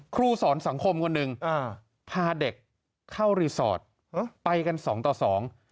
ครูสอนสังคมคนหนึ่งอ่าพาเด็กเข้ารีสอร์ทไปกันสองต่อสอง